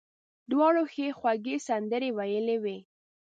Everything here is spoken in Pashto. دواړو ښې خوږې سندرې ویلې وې.